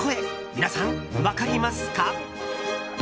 皆さん、分かりますか？